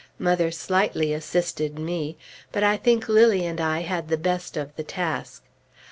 Mother slightly assisted me; but I think Lilly and I had the best of the task.